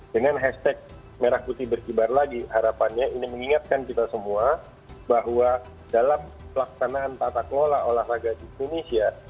dengan hashtag merah putih berkibar lagi harapannya ini mengingatkan kita semua bahwa dalam pelaksanaan tata kelola olahraga di indonesia